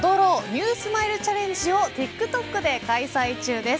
ＮＥＷＳｍｉｌｅチャレンジをＴｉｋＴｏｋで開催中です。